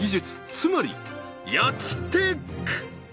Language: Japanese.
つまり焼きテック